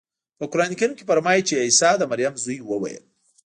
په قرانکریم کې فرمایي چې عیسی د مریم زوی وویل.